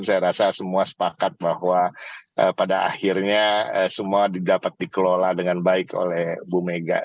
saya rasa semua sepakat bahwa pada akhirnya semua dapat dikelola dengan baik oleh bu mega